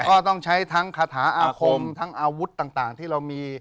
ก็ต้องใช้ทั้งคาถาอาคมทั้งอาวุธต่างที่เรามี